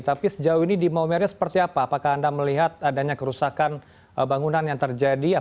tapi sejauh ini di maumere seperti apa apakah anda melihat adanya kerusakan bangunan yang terjadi